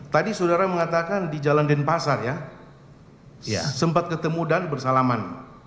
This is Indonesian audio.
tadi saudara mengatakan di jalan denpasar ya sempat ketemu dan bersalaman